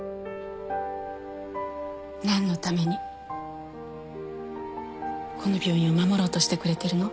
何のためにこの病院を守ろうとしてくれてるの？